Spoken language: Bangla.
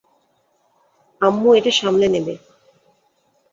আম্মু এটা সামলে নেবে।